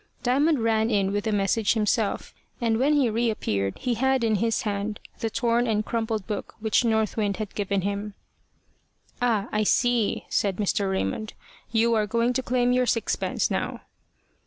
Diamond ran in with the message himself, and when he reappeared he had in his hand the torn and crumpled book which North Wind had given him. "Ah! I see," said Mr. Raymond: "you are going to claim your sixpence now."